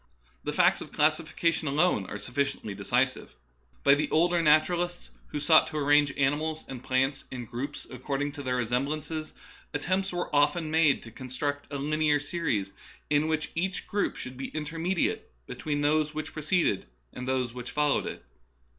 The facts of classification alone are suflBciently decisive. By the older naturalists, who sought to arrange animals and plants in groups according to their resemblances, attempts were often made to construct a linear series in which each group should be intermediate between those which pre ceded and those which followed it.